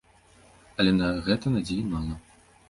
Але на гэта надзеі мала.